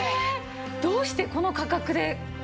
どうしてこの価格でねえ。